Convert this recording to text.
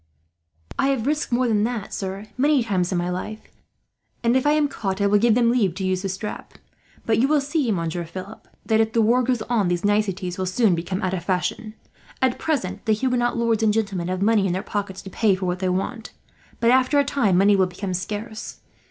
"I have risked worse than that, sir, many times in my life; and if I am caught, I will give them leave to use the strap. But you will see, Monsieur Philip, that if the war goes on these niceties will soon become out of fashion. At present the Huguenot lords and gentlemen have money in their pockets to pay for what they want, but after a time money will become scarce.